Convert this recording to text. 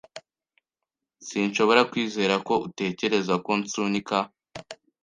Sinshobora kwizera ko utekereza ko nsunika.